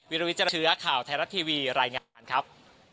ลวิเจริญเชื้อข่าวไทยรัฐทีวีรายงานครับ